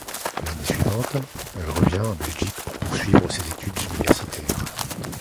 L'année suivante, elle revient en Belgique pour poursuivre ses études universitaires.